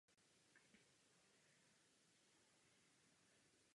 Kromě komunistů byli jejich spojenci i republikáni a odpůrci srbské vládnoucí dynastie.